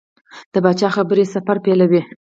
د پاچا خبرې سفر پیلوي.